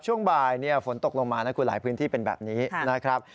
ช่วงบ่ายฝนตกลงมานะคุณหลายพื้นที่เป็นแบบนี้นะครับ